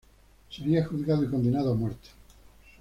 Sería juzgado y condenado a muerte.